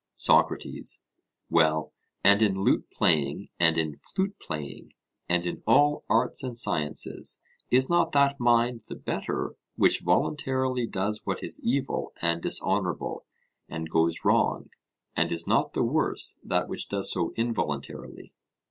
SOCRATES: Well, and in lute playing and in flute playing, and in all arts and sciences, is not that mind the better which voluntarily does what is evil and dishonourable, and goes wrong, and is not the worse that which does so involuntarily?